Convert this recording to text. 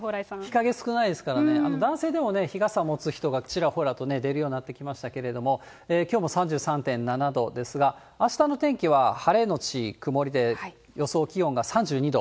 日陰少ないですからね、男性でも日傘を持つ人がちらほらと出るようになってきましたけれども、きょうも３３．７度ですが、あしたの天気は晴れ後曇りで予想気温が３２度。